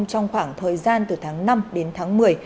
trong khoảng thời gian từ tháng năm đến tháng một mươi